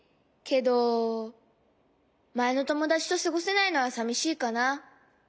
けどまえのともだちとすごせないのはさみしいかな。